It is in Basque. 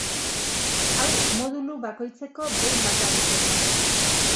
Hau modulu bakoitzeko behin bakarrik egin behar da.